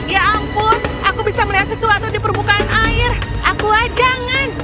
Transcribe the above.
ya ampun aku bisa melihat sesuatu di permukaan air aku ajang